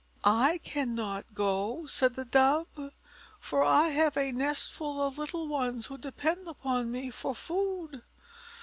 "I cannot go," said the Dove, "for I have a nestful of little ones who depend upon me for food."